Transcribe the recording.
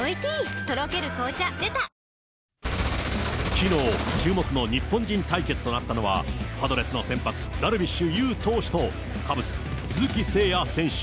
きのう、注目の日本人対決となったのは、パドレスの先発、ダルビッシュ有投手とカブス、鈴木誠也選手。